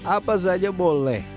apa saja boleh